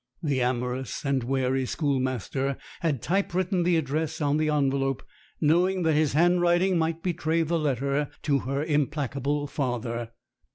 The amorous and wary schoolmaster had typewritten the address on the envelope, knowing that his handwriting might betray the letter to her implacable father.